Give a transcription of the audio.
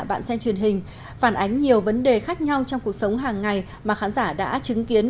bạn xem truyền hình phản ánh nhiều vấn đề khác nhau trong cuộc sống hàng ngày mà khán giả đã chứng kiến